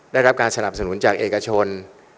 ได้รับการสนับสนุนจากเอกชน